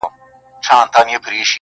سر ته ځاي دي پر بالښت د زنګون غواړم-